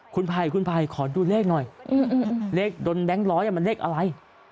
คุณภัยขอดูเลขหน่อยเลขโดนแบงก์๑๐๐มันเลขอะไร